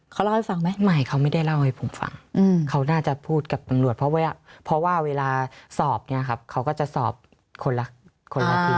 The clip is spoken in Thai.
เขาเล่าให้ฟังไหมไม่เขาไม่ได้เล่าให้ผมฟังเขาน่าจะพูดกับตำรวจเพราะว่าเวลาสอบเนี่ยครับเขาก็จะสอบคนละคนละที